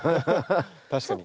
確かに。